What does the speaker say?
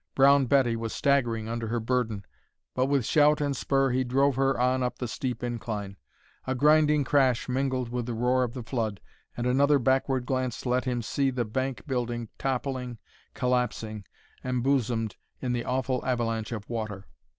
Brown Betty was staggering under her burden, but with shout and spur he drove her on up the steep incline. A grinding crash mingled with the roar of the flood, and another backward glance let him see the bank building toppling, collapsing, embosomed in the awful avalanche of water.